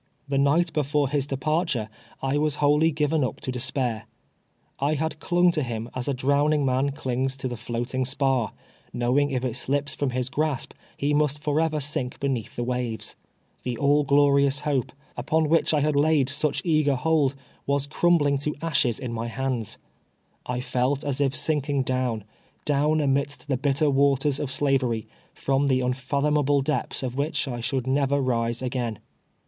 The night before his departure I Avas wholly given up to despair. I had clung to him as a drowning man clings to the floating spar, knowing if it slips from his grasp he must forever sink beneath the waves. The all glorious hope, upon which I had laid such eager hold, was crumbling to ashes in my hands. I felt as if sinking down, down, amidst the bitter waters of Slavery, from the unfathomable depths of which I should never rise again.